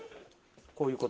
こういう事。